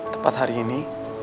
tepat hari ini